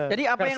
jadi apa yang